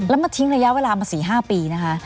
แล้วมาทิ้งระยะเวลามา๔๕ปีนะคะ